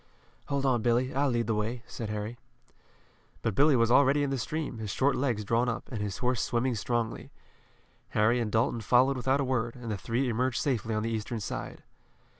"Hold on, Billy, I'll lead the way," said Harry. But Billy was already in the stream, his short legs drawn up, and his horse swimming strongly. Harry and Dalton followed without a word, and the three emerged safely on the eastern side.